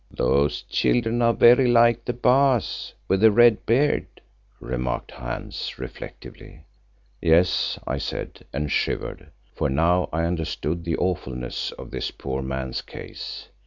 "Those children are very like the Baas with the red beard," remarked Hans reflectively. "Yes," I said, and shivered, for now I understood the awfulness of this poor man's case.